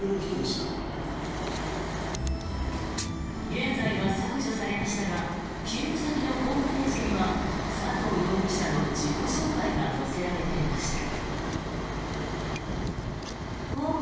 現在は削除されましたが勤務先のホームページには佐藤容疑者の自己紹介が載せられていました。